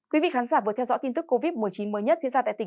cảm ơn các bạn đã theo dõi và hẹn gặp lại